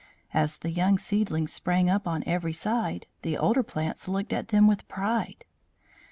As the young seedlings sprang up on every side, the older plants looked at them with pride.